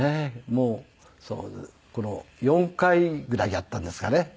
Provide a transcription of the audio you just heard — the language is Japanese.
もう４回ぐらいやったんですかね